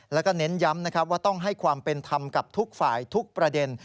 แล้วก็เน้นย้ำนะครับว่าต้องให้ความเป็นธรรมกับทุกฝ่ายทุกประเด็น